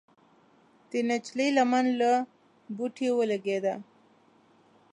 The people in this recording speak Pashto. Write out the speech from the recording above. د نجلۍ لمن له بوټي ولګېده.